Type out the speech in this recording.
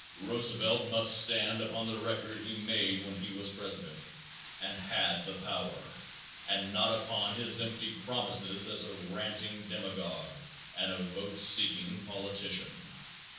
Roosevelt must stand upon the record he made when he was president and had the power, and not upon his empty promises as a ranting demagogue and a vote seeking politician.